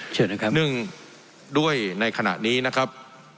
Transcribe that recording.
เชิญนะครับเนื่องด้วยในขณะนี้นะครับ